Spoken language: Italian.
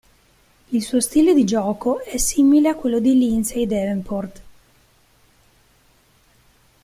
Il suo stile di gioco è simile a quello di Lindsay Davenport.